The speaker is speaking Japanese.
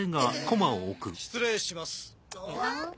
・失礼します